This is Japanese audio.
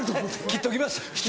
「切っときました」。